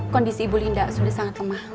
kondisi ibu linda sudah sangat lemah